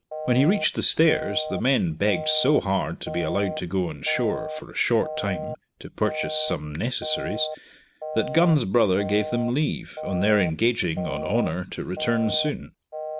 When he reached the stairs the men begged so hard to be allowed to go on shore for a short time to purchase some necessaries, that Gun's brother gave them leave, on their engaging, on honour, to return soon.